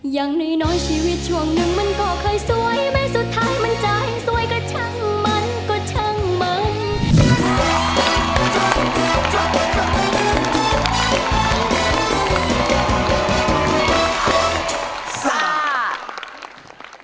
อย่างน้อยชีวิตช่วงหนึ่งมันก็เคยสวยไหมสุดท้ายมันจะให้สวยก็ช่างมันก็ช่างมึง